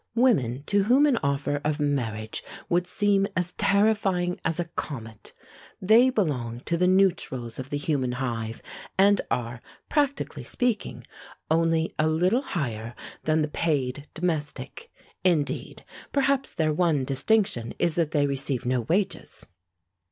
Women to whom an offer of marriage would seem as terrifying as a comet, they belong to the neutrals of the human hive, and are, practically speaking, only a little higher than the paid domestic. Indeed, perhaps their one distinction is that they receive no wages.